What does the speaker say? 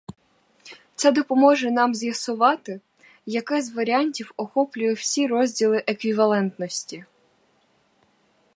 Це допоможе нам з'ясувати, яке з варіантів охоплює всі розділи еквівалентності.